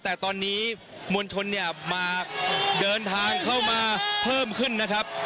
แต่ตอนนี้มวลชนเนี่ยมาเดินทางเข้ามาเพิ่มขึ้นนะครับ